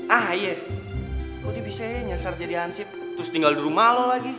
ah iya kok dia bisa aja nyasar jadi hansip terus tinggal di rumah lo lagi